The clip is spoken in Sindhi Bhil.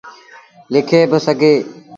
لکي با سگھيٚن۔